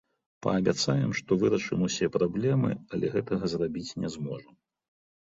Паабяцаем, што вырашым усе праблемы, але гэтага зрабіць не зможам.